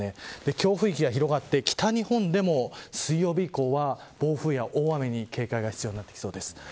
強風域が広がって北日本でも水曜日以降は暴風や大雨に警戒が必要になってきそうです。